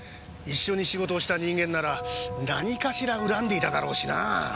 一緒に仕事をした人間なら何かしら恨んでいただろうしなぁ。